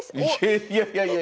いやいやいや。